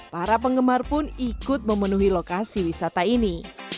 para penggemar pun ikut memenuhi lokasi wisata ini